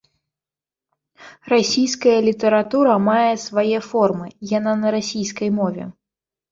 Расійская літаратура мае свае формы, яна на расійскай мове.